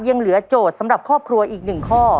ยังเหลือโจทย์สำหรับครอบครัวอีก๑ข้อ